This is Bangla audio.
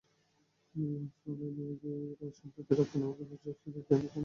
শ্রম আইন অনুযায়ী সম্প্রতি রপ্তানিমুখী পোশাকশিল্পের জন্য কেন্দ্রীয় তহবিল গঠন করা হয়।